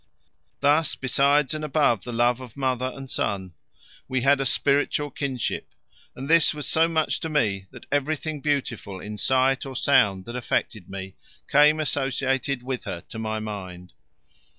Thus, besides and above the love of mother and son, we had a spiritual kinship, and this was so much to me that everything beautiful in sight or sound that affected me came associated with her to my mind.